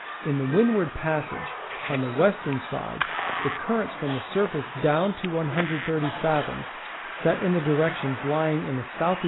In the Windward Passage, on the western side the currents from the surface down to 130 fathoms set in the directions lying in the S. E.